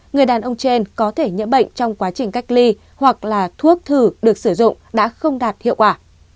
người đàn ông trên có thể nhiễm bệnh trong quá trình cách ly hoặc là thuốc thử được sử dụng đã không đạt hiệu quả